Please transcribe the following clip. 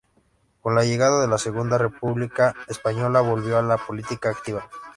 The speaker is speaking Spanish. Con la llegada de la Segunda República Española volvió a la política activa.